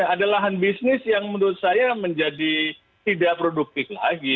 ada lahan bisnis yang menurut saya menjadi tidak produktif lagi